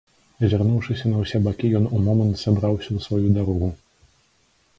Азірнуўшыся на ўсе бакі, ён у момант сабраўся ў сваю дарогу.